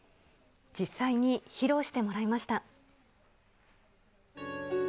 実際に披露してもらいました。